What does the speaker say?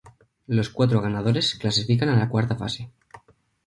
Los cuatro ganadores clasifican a la Cuarta fase.